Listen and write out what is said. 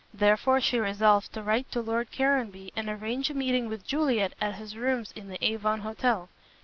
Therefore she resolved to write to Lord Caranby and arrange a meeting with Juliet at his rooms in the Avon Hotel.